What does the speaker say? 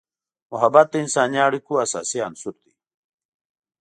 محبت د انسانی اړیکو اساسي عنصر دی.